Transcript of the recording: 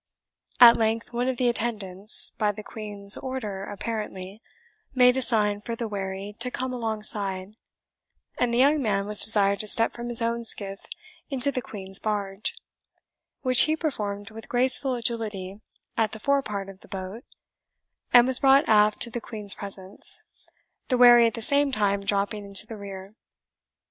At length one of the attendants, by the Queen's order apparently, made a sign for the wherry to come alongside, and the young man was desired to step from his own skiff into the Queen's barge, which he performed with graceful agility at the fore part of the boat, and was brought aft to the Queen's presence, the wherry at the same time dropping into the rear.